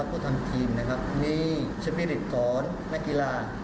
ผู้ทำทีมมีชมิริตกรณ์นักกีฬา